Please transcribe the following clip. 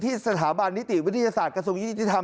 สถาบันนิติวิทยาศาสตร์กระทรวงยุติธรรม